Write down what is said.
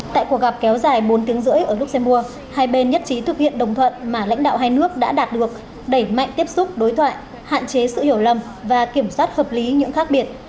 tại cuộc gặp kéo dài bốn tiếng rưỡi ở luxembourg hai bên nhất trí thực hiện đồng thuận mà lãnh đạo hai nước đã đạt được đẩy mạnh tiếp xúc đối thoại hạn chế sự hiểu lầm và kiểm soát hợp lý những khác biệt